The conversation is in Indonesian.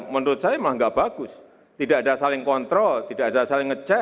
most and best nama saya sudah tiga